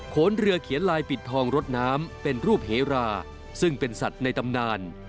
ขนเรือเขียนลายปิดทองรถน้ำเป็นรูปเหราซึ่งเป็นสัตว์ในตำนาน